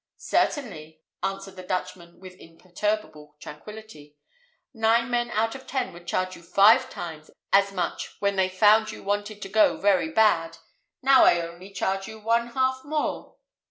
"Certainly," answered the Dutchman, with imperturbable tranquillity; "nine men out of ten would charge you five times as much when they found you wanted to go very bad, now I only charge you one half more."